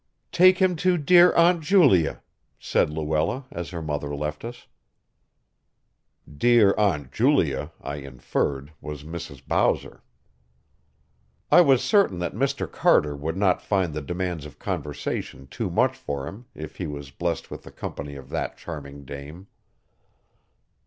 "Take him to dear Aunt Julia," said Luella as her mother left us. "Dear Aunt Julia," I inferred, was Mrs. Bowser. I was certain that Mr. Carter would not find the demands of conversation too much for him if he was blest with the company of that charming dame.